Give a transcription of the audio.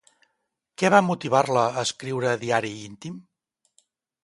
Què va motivar-la a escriure Diari íntim?